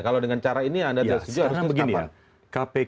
kalau dengan cara ini anda terus setuju harus terus kapan